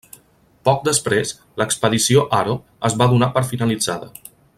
Poc després, l'Expedició Aro es va donar per finalitzada.